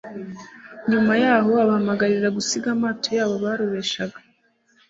Nyuma yaho abahamagarira gusiga amato yabo barobeshaga,